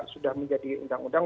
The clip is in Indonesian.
sudah menjadi undang undang